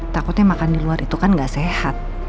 takutnya makan di luar itu kan gak sehat